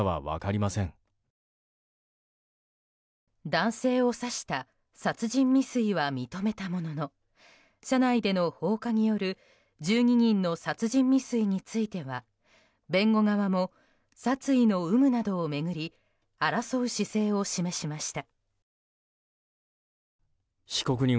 男性を刺した殺人未遂は認めたものの車内での放火による１２人の殺人未遂については弁護側も殺意の有無などを巡り争う姿勢を示しました。